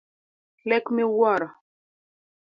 Lek miwuoro.